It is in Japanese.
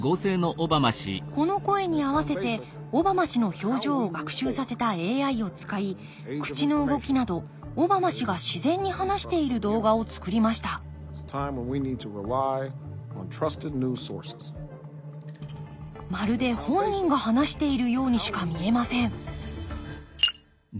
この声に合わせてオバマ氏の表情を学習させたＡＩを使い口の動きなどオバマ氏が自然に話している動画をつくりましたまるで本人が話しているようにしか見えません